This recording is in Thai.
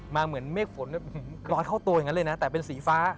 เหมือนเมฆฝนลอยเข้าตัวอย่างนั้นเลยนะแต่เป็นสีฟ้า